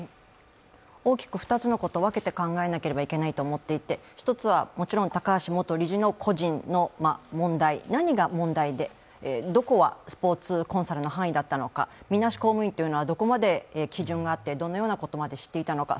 大きく２つのこと、分けて考えなければいけないと思っていて１つはもちろん高橋元理事の個人の問題、何が問題で、どこはスポーツコンサルの範囲だったのか、みなし公務員というのはどこまで基準があって、どういったことまで知っていたのか。